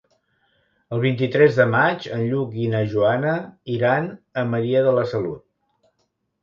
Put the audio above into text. El vint-i-tres de maig en Lluc i na Joana iran a Maria de la Salut.